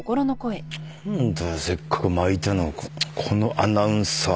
何だよせっかく巻いたのをこのアナウンサー